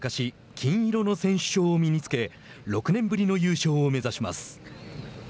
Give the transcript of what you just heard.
金色の選手章を身につけ６年ぶりの優勝を目指します。